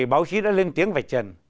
báo chí đã lên tiếng vạch trần